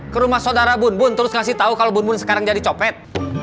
ke rumah sodara bumbun terus ngasih tau kalau bumbun sekarang jadi copet